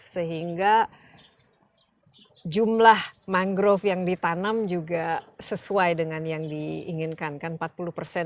sehingga jumlah mangrove yang ditanam juga sesuai dengan yang diinginkan kan